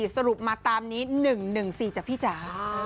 สรุปมาตามนี้๑๑๔จ้ะพี่จ๋า